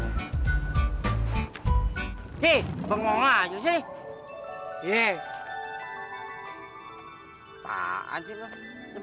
jalur tentang analisnya golf